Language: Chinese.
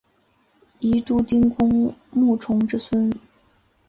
宜都丁公穆崇之孙。